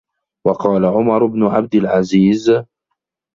وَقَالَ عُمَرُ بْنُ عَبْدِ الْعَزِيزِ